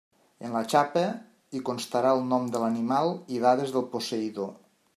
En la xapa hi constarà el nom de l'animal i dades del posseïdor.